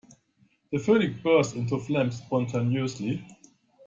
The phoenix burst into flames spontaneously.